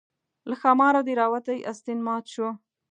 له ښاماره دې راوتى استين مات شو